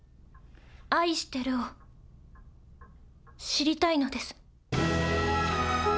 愛してるを知りたいのです。